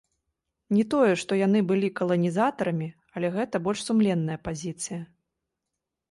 Не тое, што яны былі каланізатарамі, але гэта больш сумленная пазіцыя.